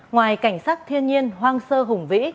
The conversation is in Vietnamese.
ngoài cảnh sát thiên nhiên hoang sơ hùng vĩ